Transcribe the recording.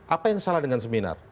apa yang salah dengan seminar